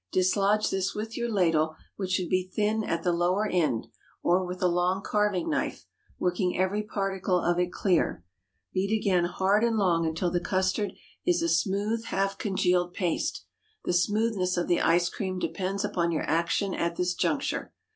Dislodge this with your ladle, which should be thin at the lower end, or with a long carving knife, working every particle of it clear. Beat again hard and long until the custard is a smooth, half congealed paste. The smoothness of the ice cream depends upon your action at this juncture.